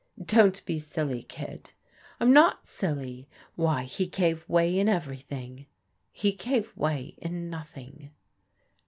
"Don't be silly, Id A*' " I'm not silly. Why, he gave way in everything." " He gave way in nothing."